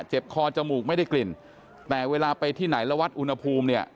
คอจมูกไม่ได้กลิ่นแต่เวลาไปที่ไหนแล้ววัดอุณหภูมิเนี่ย